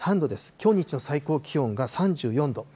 きょう日中の最高気温が３４度。